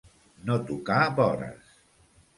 No tocar vores.